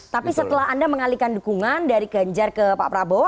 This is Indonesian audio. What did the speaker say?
tapi setelah anda mengalihkan dukungan dari ganjar ke pak prabowo